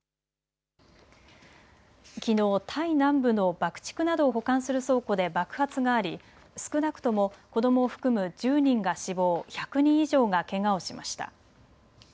きのうタイ南部の爆竹などを保管する倉庫で爆発があり少なくとも子どもを含む１０人が死亡、１００人以上がけがをしました。